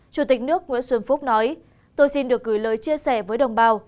chủ tịch nước nguyễn xuân phúc nói tôi xin được gửi lời chia sẻ với đồng bào